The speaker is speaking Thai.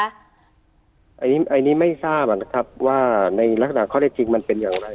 อันนี้ไม่ทราบนะครับว่าในลักษณะข้อได้จริงมันเป็นอย่างไร